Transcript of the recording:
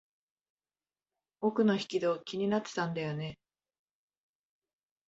奥の引き戸、気になってたんだよね。